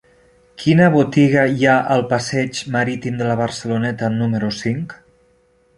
Quina botiga hi ha al passeig Marítim de la Barceloneta número cinc?